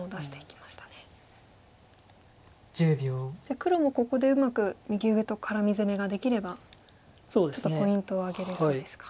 黒もここでうまく右上とカラミ攻めができればちょっとポイントを挙げれるんですか。